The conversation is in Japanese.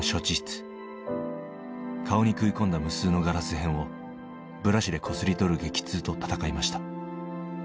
顔に食い込んだ無数のガラス片をブラシでこすり取る激痛と闘いました。